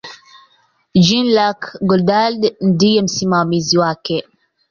Jean-Luc Godard ndiye msimamizi wake.